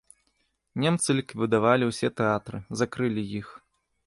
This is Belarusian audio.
Немцы ліквідавалі ўсе тэатры, закрылі іх.